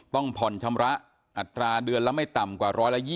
ต้องผ่อนชำระอัตราเดือนละไม่ต่ำกว่า๑๒๐